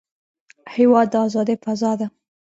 هېواد د ازادۍ فضا ده.